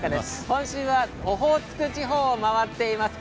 今週はオホーツク地方を回っています。